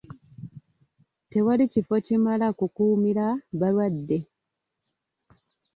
Tewali kifo kimala wakukuumira balwadde.